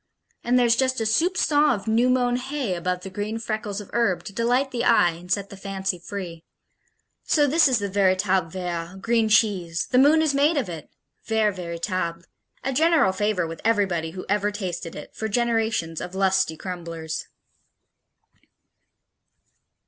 And there's just a soupçon of new mown hay above the green freckles of herb to delight the eye and set the fancy free. So this is the véritable vert, green cheese the moon is made of it! Vert véritable. A general favorite with everybody who ever tasted it, for generations of lusty crumblers.